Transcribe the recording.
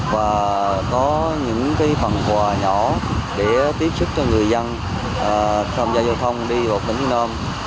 và có những phần quà nhỏ để tiếp sức cho người dân tham gia giao thông đi vào tỉnh nơm